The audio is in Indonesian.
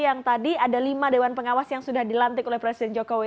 yang tadi ada lima dewan pengawas yang sudah dilantik oleh presiden jokowi